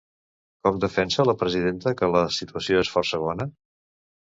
Com defensa la presidenta que la situació és força bona?